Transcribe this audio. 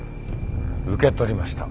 受け取りました。